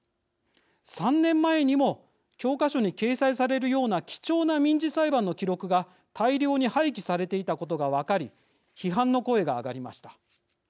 ３年前にも、教科書に掲載されるような貴重な民事裁判の記録が大量に廃棄されていたことが分かり、批判の声が上がりました。